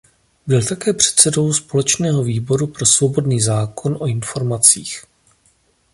Byl také předsedou společného výboru pro svobodný zákon o informacích.